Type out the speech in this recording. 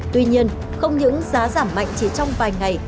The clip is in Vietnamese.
tuy nhiên không những giá giảm mạnh chỉ trong vài ngày